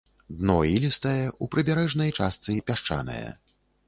Дно ілістае, у прыбярэжнай частцы пясчанае.